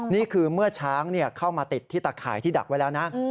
นี่คือเมื่อช้างเข้ามาติดที่ตะข่ายที่ดักไว้แล้วนะ